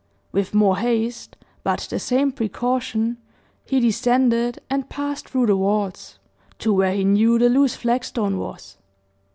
With more haste, but the same precaution, he descended, and passed through the vaults to where he knew the loose flag stone was.